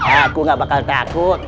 aku nggak bakal takut